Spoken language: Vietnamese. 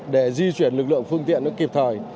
để di chuyển lực lượng phương tiện kịp thời